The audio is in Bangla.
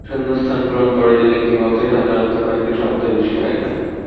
শূন্যস্থান পূরণ করার জন্য একটি বক্সে সাধারণত কয়েকটি শব্দ বেশি থাকবে।